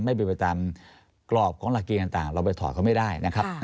ไม่เป็นไปตามกรอบของหลักเกณฑ์ต่างเราไปถอดเขาไม่ได้นะครับ